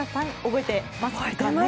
覚えています。